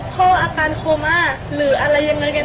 พ่ออาการโคม่าหรืออะไรอย่างนั้นแหละ